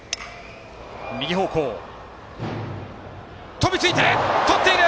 飛びついてとっている！